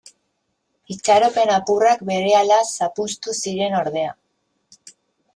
Itxaropen apurrak berehala zapuztu ziren ordea.